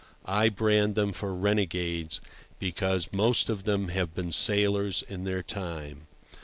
I brand them for renegades, because most of them have been sailors in their time.